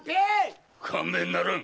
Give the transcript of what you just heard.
勘弁ならぬ。